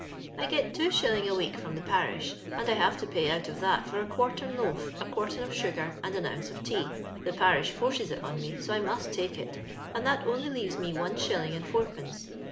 " 1 get two shilling a wcek from tho parish, and I have to pay out of that for a quartern loaf, a quarU.>m of sugar, and an ounce of tea. The parish forces it on me, so I must tako it, and that only leaves me one shilling and ibur pence.